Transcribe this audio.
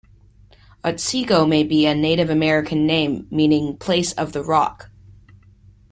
Otsego may be a Native American name meaning "place of the rock".